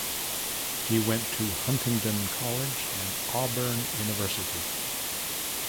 He went to Huntingdon College and Auburn University.